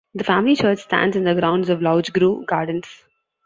The family church stands in the grounds of Loughcrew Gardens.